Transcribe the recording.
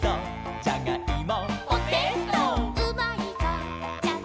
じゃがいも」「」